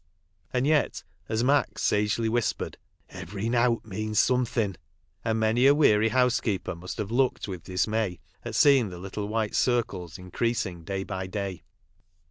And yet, as Mac sagely whispered, livery nowt means something," and many a wearv housekeeper must have looked with dismay at seeing the little white circles increasing day by day.